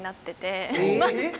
えっ？